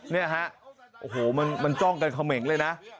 เนี่ยฮะโอ้โหมันจ้องกันเขม่งเลยนะ